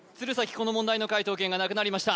この問題の解答権がなくなりました